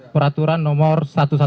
peraturan nomor satu ratus dua belas